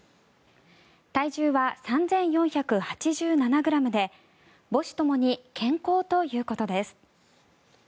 体重は３４８７ｇで母子ともに健康ということです。